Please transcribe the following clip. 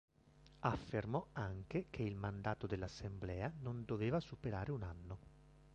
Affermò anche che il mandato dell'Assemblea non doveva superare un anno.